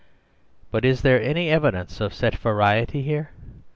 But is there any evidence of such variety here?